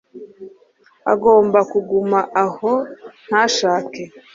agomba kuguma aho ntashake